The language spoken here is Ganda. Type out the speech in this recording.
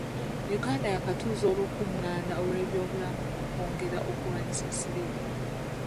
Uganda yaakutuuza olukungaana lw’ebyobulamu okwongera okulwanyisa Siriimu.